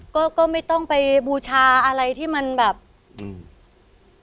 ก็ก็ไม่ต้องไปบูชาอะไรที่มันแบบอืม